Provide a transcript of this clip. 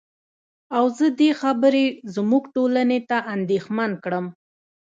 او زه دې خبرې زمونږ ټولنې ته اندېښمن کړم.